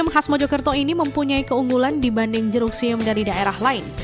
khas mojokerto ini mempunyai keunggulan dibanding jeruk sium dari daerah lain